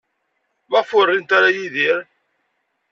Maɣef ur rint ara Yidir?